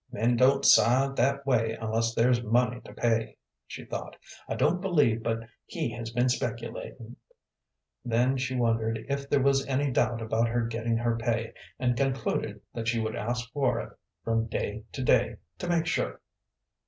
"Men don't sigh that way unless there's money to pay," she thought. "I don't believe but he has been speculating." Then she wondered if there was any doubt about her getting her pay, and concluded that she would ask for it from day to day to make sure.